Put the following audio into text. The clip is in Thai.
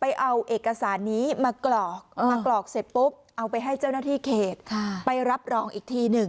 ไปเอาเอกสารนี้มากรอกมากรอกเสร็จปุ๊บเอาไปให้เจ้าหน้าที่เขตไปรับรองอีกทีหนึ่ง